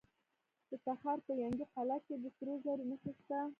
د تخار په ینګي قلعه کې د سرو زرو نښې شته.